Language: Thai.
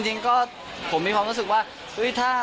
จริงก็ผมมีความรู้สึกว่า